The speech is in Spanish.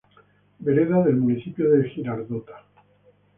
Vereda del Municipio de Girardota